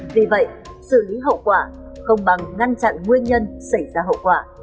vì vậy xử lý hậu quả không bằng ngăn chặn nguyên nhân xảy ra hậu quả